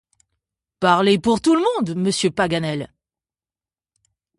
Parlez pour tout le monde, monsieur Paganel.